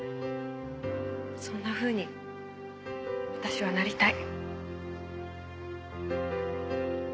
そんなふうに私はなりたい。